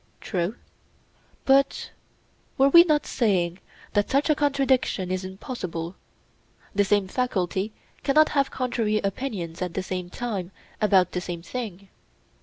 True. But were we not saying that such a contradiction is impossible—the same faculty cannot have contrary opinions at the same time about the same thing?